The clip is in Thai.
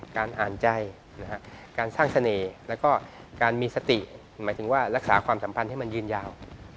การอ่านใจการสร้างเสน่ห์แล้วก็การมีสติหมายถึงว่ารักษาความสัมพันธ์ให้มันยืนยาว